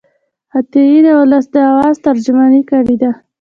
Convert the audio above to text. عطايي د ولس د آواز ترجماني کړې ده.